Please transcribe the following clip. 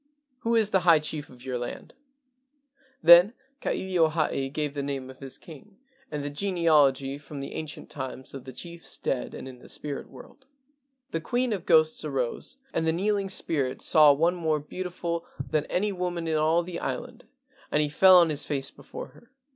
Who is the high chief of your land? " io6 LEGENDS OF GHOSTS Then Ka ilio hae gave the name of his king, and the genealogy from ancient times of the chiefs dead and in the spirit world. The queen of ghosts arose, and the kneeling spirit saw one more beautiful than any woman in all the island, and he fell on his face before her.